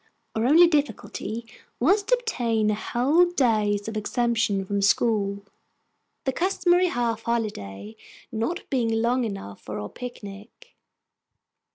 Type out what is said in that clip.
Our only difficulty was to obtain a whole day's exemption from school, the customary half holiday not being long enough for our picnic.